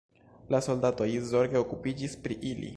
La soldatoj zorge okupiĝis pri ili.